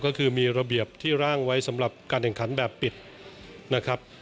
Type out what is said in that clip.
ก็คือมีระเบียบที่ร่างไว้สำหรับการแข่งขันแบบปิดนะครับ